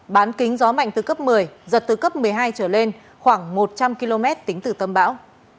bán kính gió mạnh từ cấp một mươi giật từ cấp một mươi hai trở lên khoảng một trăm linh km tính từ tâm bão